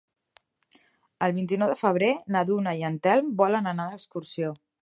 El vint-i-nou de febrer na Duna i en Telm volen anar d'excursió.